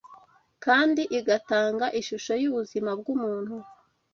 kandi igatanga ishusho y’ubuzima bw’umuntu